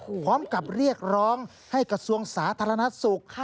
พร้อมกับเรียกร้องให้กระทรวงสาธารณสุข